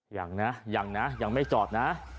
ยังนะยังไม่จอดนะ